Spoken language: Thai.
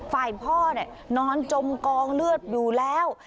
ฝ่ายพ่อนอนจมกองเลือดอยู่แล้ว